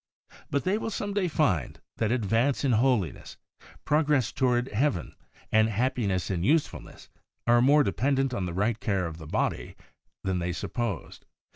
But they will some day find that advance in Holiness, progress toward Heaven and happiness and usefulness, are more de pendent on the right care of the body than they supposed.